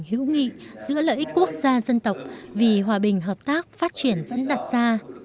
hữu nghị giữa lợi ích quốc gia dân tộc vì hòa bình hợp tác phát triển vẫn đặt ra